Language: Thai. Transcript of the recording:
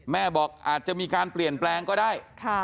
แม่บอกอาจจะมีการเปลี่ยนแปลงก็ได้